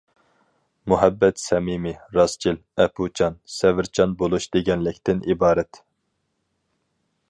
مۇھەببەت سەمىمىي، راستچىل، ئەپۇچان، سەۋرچان بولۇش دېگەنلىكتىن ئىبارەت.